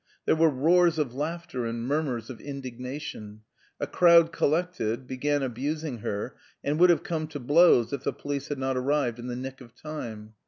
There were roars of laughter and murmurs of indignation. A crowd collected, began abusing her, and would have come to blows if the police had not arrived in the nick of time.